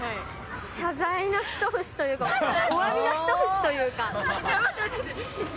謝罪の一節というか、おわびの一節というか。